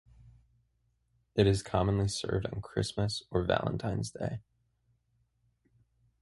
It is commonly served on Christmas or Valentine's Day.